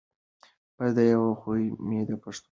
بس دا یو خوی مي د پښتنو دی